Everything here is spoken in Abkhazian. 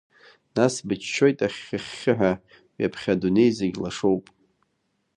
Нас быччоит ахьхьа-хьхьаҳәа, ҩаԥхьа адунеи зегь лашоуп.